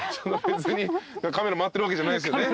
別にカメラ回ってるわけじゃないですよね？